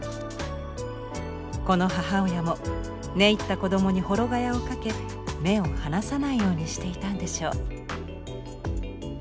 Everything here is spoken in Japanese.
この母親も寝入った子どもに幌蚊帳をかけ目を離さないようにしていたんでしょう。